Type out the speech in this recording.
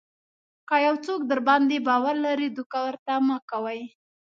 که یو څوک درباندې باور لري دوکه ورته مه کوئ.